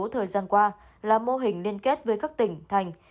thời gian qua là mô hình liên kết với các tỉnh thành